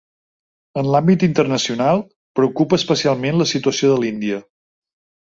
En l’àmbit internacional, preocupa especialment la situació de l’Índia.